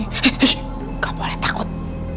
eh shh gak boleh takut